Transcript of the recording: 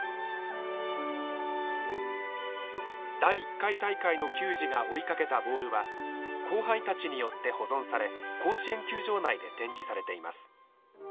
第１回大会の球児が追いかけたボールは後輩たちによって保存され甲子園球場内で展示されています。